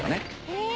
へえ！